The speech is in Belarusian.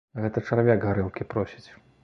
Гэта чарвяк гарэлкі просіць.